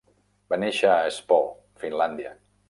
Va néixer a Espoo, Finlàndia.